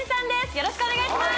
よろしくお願いします